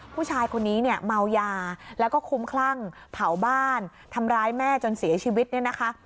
ผู้ชายคนนี้เนี่ยเมายาแล้วก็คุ้มคลั่งเผาบ้านทำร้ายแม่จนเสียชีวิตเนี่ยนะคะ